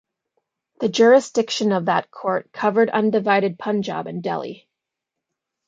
The jurisdiction of that court covered undivided Punjab and Delhi.